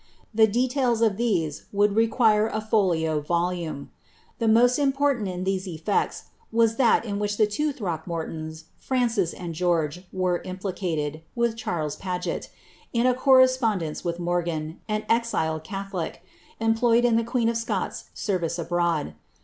The details of these would require a folio volume. The roost important in its effects was that in which the two Throckmortons, Francis and George, were implicated, with Charles Paget, in a corre spondence with Morgan, an exiled catholic, employed in the queen of Scots' service abroad.